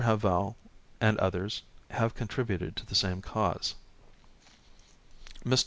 Havell and others have contributed to the same cause. Mr.